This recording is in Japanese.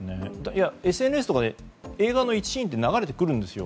ＳＮＳとかで映画の１シーンって流れてくるんですよ。